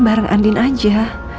bareng andin aja